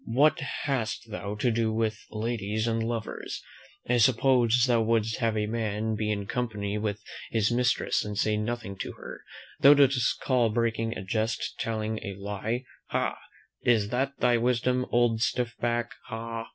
What hast thou to do with ladies and lovers? I suppose thou wouldst have a man be in company with his mistress, and say nothing to her. Dost thou call breaking a jest telling a lie? Ha! is that thy wisdom, old stiffback, ha?"